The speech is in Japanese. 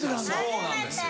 そうなんですよ。